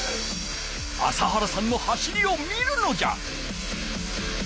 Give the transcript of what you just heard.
朝原さんの走りを見るのじゃ！